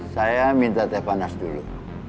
saya minta teh panas dulu